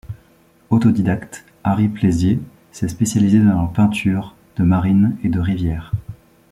Autodidacte, Ary Pleysier s'est spécialisé dans la peinture de marines et de rivières.